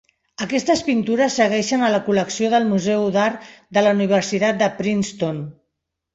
Aquestes pintures segueixen a la col·lecció del Museu d'Art de la Universitat de Princeton.